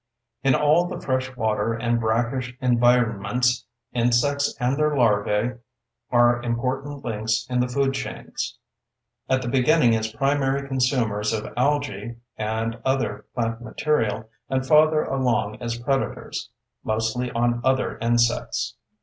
In all the fresh water and brackish environments, insects and their larvae are important links in the food chains—at the beginning as primary consumers of algae and other plant material, and farther along as predators, mostly on other insects.